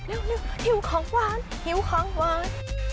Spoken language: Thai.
เร็วหิวของวันหิวของวัน